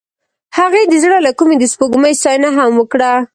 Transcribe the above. هغې د زړه له کومې د سپوږمۍ ستاینه هم وکړه.